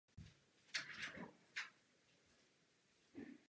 V přeneseném slova smyslu hledal „vnitřní tón“.